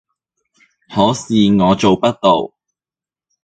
可是我做不到